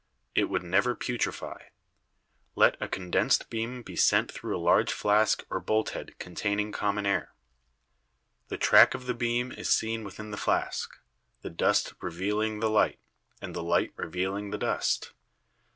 It would never putrefy. Let a con densed beam be sent through a large flask or bolthead con taining common air. The track of the beam is seen within the flask — the dust revealing the light, and the light reveal ing the dust.